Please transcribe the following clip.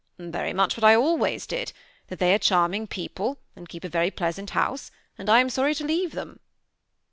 " Very much what I always did : that they are very charming people, and keep a very pleasant house, and I am sorry to leave them.''